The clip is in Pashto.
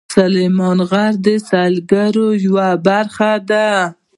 سلیمان غر د سیلګرۍ یوه برخه ده.